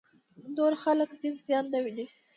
نور د خلکو دین زیان نه وویني.